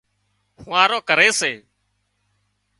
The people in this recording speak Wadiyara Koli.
ڦوهارو ڪري سي